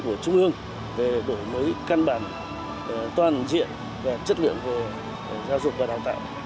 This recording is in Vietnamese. vị quyết hai mươi chín của trung ương về đổi mới căn bản toàn diện và chất lượng của giáo dục và đào tạo